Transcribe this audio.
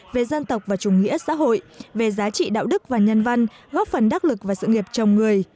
về dân tộc và chủ nghĩa xã hội về giá trị đạo đức và nhân văn góp phần đắc lực và sự nghiệp chồng người